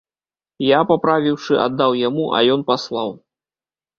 Я, паправіўшы, аддаў яму, а ён паслаў.